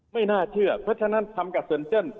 ไม่น่าเชื่อเพราะฉะนั้นทำกับเซินเจิ้น